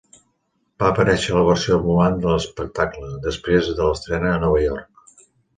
Va aparèixer a la versió ambulant de l'espectacle després de l'estrena a Nova York.